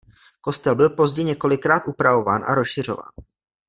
Kostel byl později několikrát upravován a rozšiřován.